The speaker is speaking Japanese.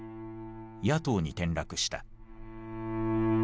野党に転落した。